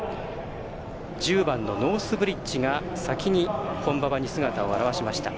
１０番、ノースブリッジが先に本馬場に姿を現しました。